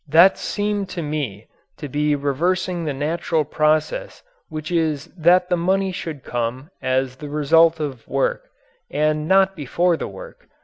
That seemed to me to be reversing the natural process which is that the money should come as the result of work and not before the work.